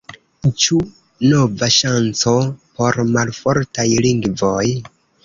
Ĉu nova ŝanco por malfortaj lingvoj?